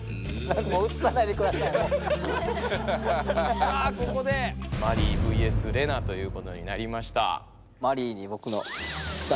さあここでマリイＶＳレナということになりました。